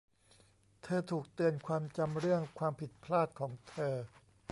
เธอถูกเตือนความจำเรื่องความผิดพลาดของเธอ